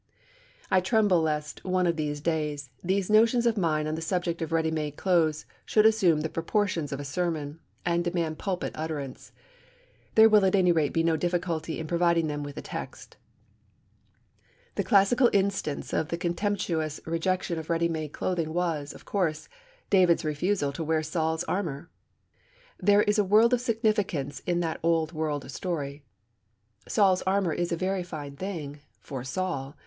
I tremble lest, one of these days, these notions of mine on the subject of ready made clothes should assume the proportions of a sermon, and demand pulpit utterance. There will at any rate be no difficulty in providing them with a text. The classical instance of the contemptuous rejection of ready made clothing was, of course, David's refusal to wear Saul's armour. There is a world of significance in that old world story. Saul's armour is a very fine thing for Saul!